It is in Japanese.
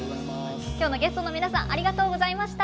今日のゲストの皆さんありがとうございました。